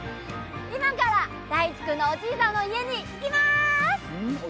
今から大智君のおじいさんの家に行きます！